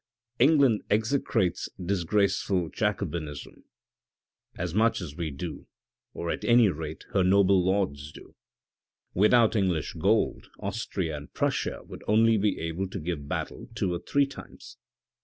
England execrates disgraceful Jacobinism as much as we do, or at any rate her noble lords do. Without English gold, THE DISCUSSION 389 Austria and Prussia would only be able to give battle two or three times.